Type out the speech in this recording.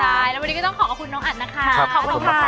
แล้ววันนี้ก็ต้องขอบรรท์ของคุณน้องอันนะคะ